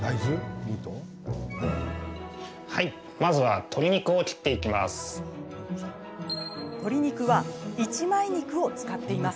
はい、まずは鶏肉を切っていきます。